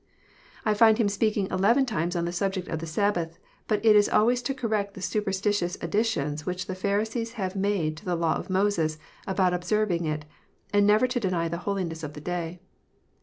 I find Him speaking eleven times on the subject of the Sabbath, but it is always to correct the superstitious additions which the Pharisees had made to the Law of Moses about observing it, and never to deny the holiness of the day.